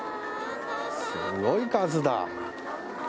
すごい数だ。